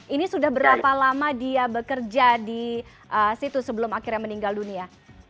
ini sudah berapa lama dia bekerja di situ sebelum akhirnya meninggal dunia